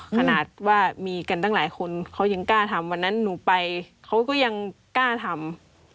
ขนาดว่ามีกันตั้งหลายคนเขายังกล้าทำวันนั้นหนูไปเขาก็ยังกล้าทำ